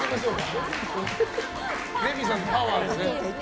レミさんのパワーでね。